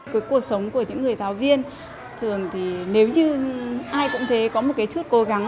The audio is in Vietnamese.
cái cuộc sống của những người giáo viên thường thì nếu như ai cũng thế có một cái chút cố gắng